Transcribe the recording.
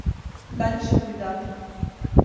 Dálle seguridade.